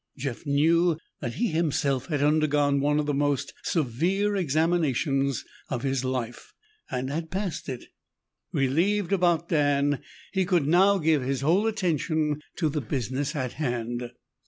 Jeff knew that he himself had undergone one of the most severe examinations of his life and had passed it. Relieved about Dan, he could now give his whole attention to the business at hand.